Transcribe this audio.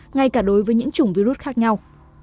ngay cả đối với những chủng virus khác nhau